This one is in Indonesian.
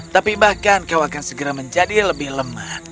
tapi bahkan kau akan segera menjadi lebih lemah